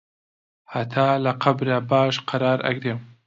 هەتا لە قەبرا باش قەرار ئەگرێ